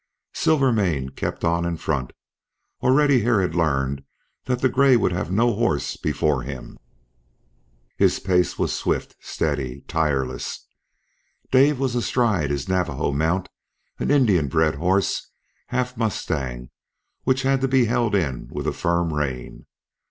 Silvermane kept on in front. Already Hare had learned that the gray would have no horse before him. His pace was swift, steady, tireless. Dave was astride his Navajo mount, an Indian bred horse, half mustang, which had to be held in with a firm rein.